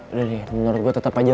udah deh menurut gue tetap aja